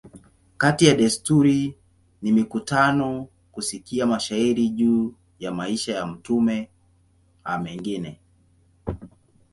Kati ya desturi ni mikutano, kusikia mashairi juu ya maisha ya mtume a mengine.